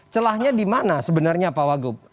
celahnya di mana sebenarnya pak wagub